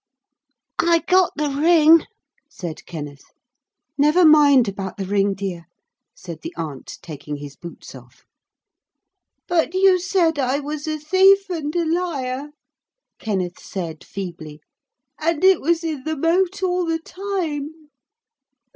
'I got the ring,' said Kenneth. 'Never mind about the ring, dear,' said the aunt, taking his boots off. 'But you said I was a thief and a liar,' Kenneth said feebly, 'and it was in the moat all the time.'